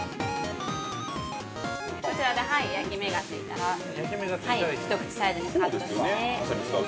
◆こちらで焼き目がついたら１口サイズにカットして。